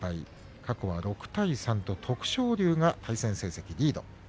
過去は６対３と徳勝龍が対戦成績リード。